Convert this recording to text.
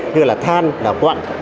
như là than đảo quặn